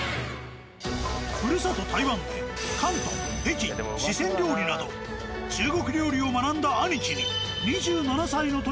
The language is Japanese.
ふるさと台湾で広東北京四川料理など中国料理を学んだアニキに。